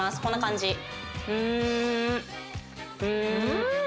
こんな感じんん